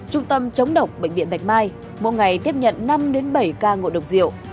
trung tâm chống độc bệnh viện bạch mai mỗi ngày tiếp nhận năm bảy ca ngộ độc rượu